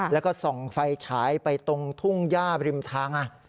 แล้วก็ส่องไฟฉายไปตรงทุ่งย่าบริมทาง